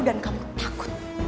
dan kamu takut